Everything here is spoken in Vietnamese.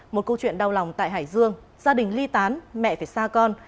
một câu chuyện đau lòng tại hải dương gia đình ly tán mẹ phải xa con